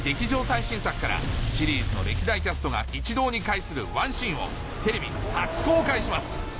最新作からシリーズの歴代キャストが一堂に会するワンシーンをテレビ初公開します！